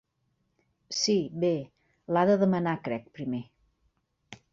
Sí, bé, l'ha de demanar crec primer.